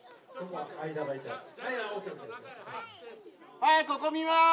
はいここ見ます！